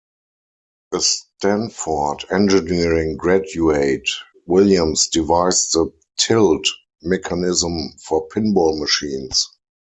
A Stanford engineering graduate, Williams devised the "tilt" mechanism for pinball machines.